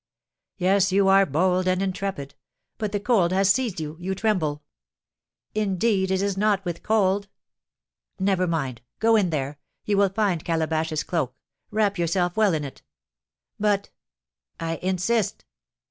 "Yes, you are bold and intrepid; but the cold has seized you, you tremble!" "Indeed, it is not with cold." "Never mind, go in there. You will find Calabash's cloak; wrap yourself well in it." "But " "I insist!"